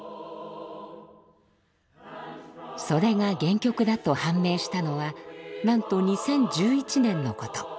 それが原曲だと判明したのはなんと２０１１年のこと。